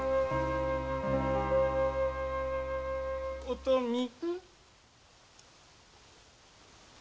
おとみ。